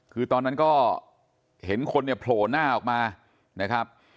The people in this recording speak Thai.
คือตอนนั้นก็เห็นคนเนี่ยโผล่หน้าออกมานะครับ